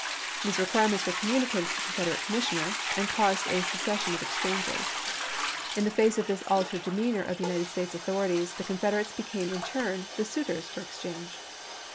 These requirements were communicated to the Confederate commissioner, and caused a cessation of exchanges. In the face of this altered demeanor of the United States authorities, the Confederates became in turn the suitors for exchange.